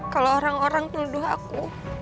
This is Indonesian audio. kalau orang orang tuduh aku